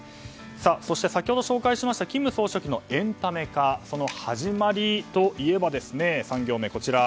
そして、先ほど紹介しました金総書記のエンタメ化その始まりといえば、３行目。